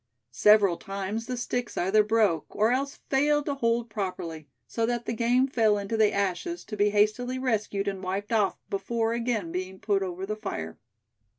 Several times the sticks either broke, or else failed to hold properly, so that the game fell into the ashes, to be hastily rescued, and wiped off before again being put over the fire.